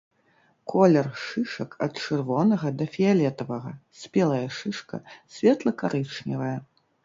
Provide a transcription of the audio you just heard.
Колер шышак ад чырвонага да фіялетавага, спелая шышка светла-карычневая.